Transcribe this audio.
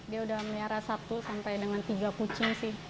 dia udah melihara satu sampai dengan tiga kucing sih